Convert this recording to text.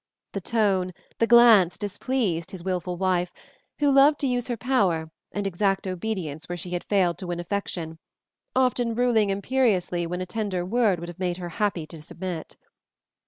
The tone, the glance displeased his willful wife, who loved to use her power and exact obedience where she had failed to win affection, often ruling imperiously when a tender word would have made her happy to submit.